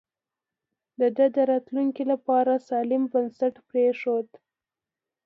ده د راتلونکي لپاره سالم بنسټ پرېښود.